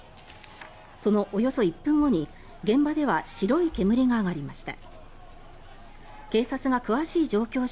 そのおよそ１分後に現場では白い煙が上がりました。